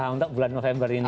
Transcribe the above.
untuk bulan november ini